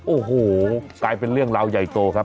โอ้โหกลายเป็นเรื่องราวใหญ่โตครับ